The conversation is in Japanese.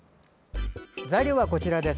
材料はこちらです。